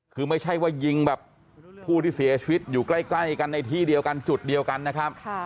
คือไม่ใช่ว่ายิงแบบผู้ที่เสียชีวิตอยู่ใกล้กันในที่เดียวกันจุดเดียวกันนะครับ